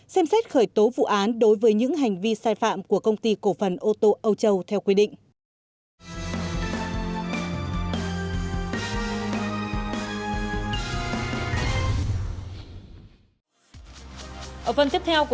xem xét khởi tố vụ án đối với những hành vi sai phạm của công ty cổ phần ô tô âu châu theo quy định